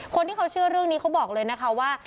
คนที่เขาเชื่อเรื่องนี้เขาบอกเลยนะคะว่า